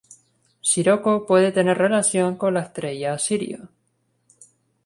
Siroco puede tener relación con la estrella Sirio.